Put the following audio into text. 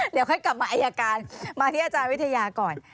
เดี๋ยวค่อยกลับมาอายการมาที่อาจารย์วิทยาก่อน